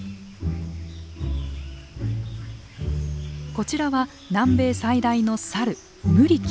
こちらは南米最大のサルムリキ。